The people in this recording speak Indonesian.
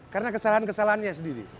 karena kesalahan kesalahannya sendiri